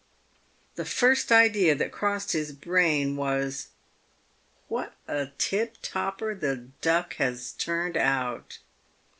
The first idea that crossed his brain was, " What a tip topper the Duck has turned out."